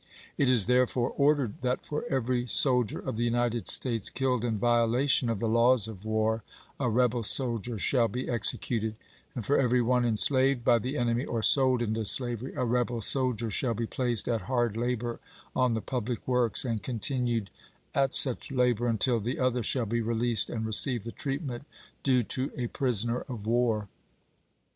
It is therefore ordered that for every soldier of the United States killed in violation of the laws of war a rebel soldier shall be executed ; and for every one enslaved by the enemy, or sold into slavery, a rebel soldier shall be placed at hard labor on the pubhc works, and continued Eeport, at such labor until the other shall be released and receive Marshal the treatment due to a prisoner of war. General.